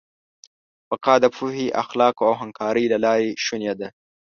بقا د پوهې، اخلاقو او همکارۍ له لارې شونې ده.